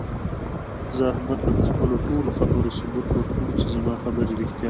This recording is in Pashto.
زه احمد ته د خپلو ټولو خبرو ثبوت ورکوم، چې زما خبرې رښتیا دي.